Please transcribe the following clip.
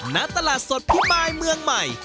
ณตลาดสดพิมายเมืองใหม่